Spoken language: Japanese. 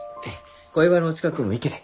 小岩の近くの池で。